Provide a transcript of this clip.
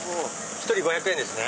１人５００円ですね。